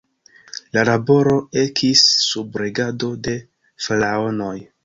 La laboro ekis sub regado de Faraonoj.